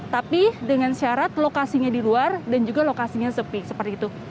tapi dengan syarat lokasinya di luar dan juga lokasinya sepi seperti itu